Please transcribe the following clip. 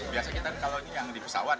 biasanya kan kalau ini yang di pesawat